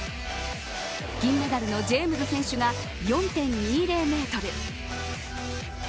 銀メダルのジェームズ選手が４．２０メートル。